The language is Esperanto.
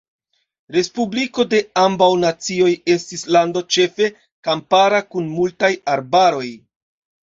Respubliko de Ambaŭ Nacioj estis lando ĉefe kampara kun multaj arbaroj.